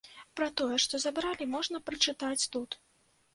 Пра тое, што забралі можна прачытаць тут.